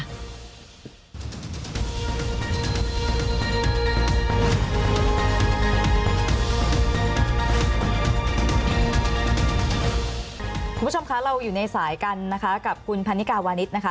คุณผู้ชมคะเราอยู่ในสายกันนะคะกับคุณพันนิกาวานิสนะคะ